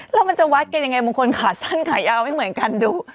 แล้วมันจะวัดกันยังไงบางคนขาสั้นขายาวไม่เหมือนกันดู